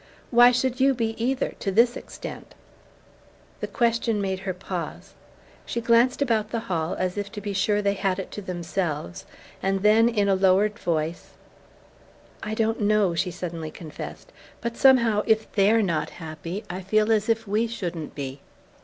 "Why should you be, either to this extent?" The question made her pause. She glanced about the hall, as if to be sure they had it to themselves; and then, in a lowered voice: "I don't know," she suddenly confessed; "but, somehow, if THEY'RE not happy I feel as if we shouldn't be."